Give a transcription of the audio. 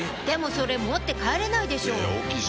それ持って帰れないでしょう